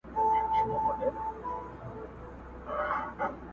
o چي سپى د دنيا نه سې، د دنيا خاوند به نه سې!